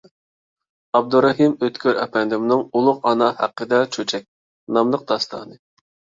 ئابدۇرېھىم ئۆتكۈر ئەپەندىمنىڭ «ئۇلۇغ ئانا ھەققىدە چۆچەك» ناملىق داستانى.